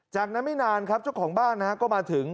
จากนั้นไม่นานครับเจ้าของบ้านก็มาถึง